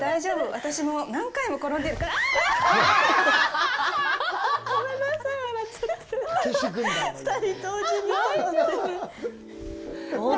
私も何回も転んでるからあぁっ！